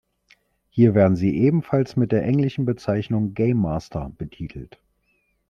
Hier werden sie ebenfalls mit der englischen Bezeichnung Game Master betitelt.